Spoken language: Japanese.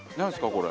これ。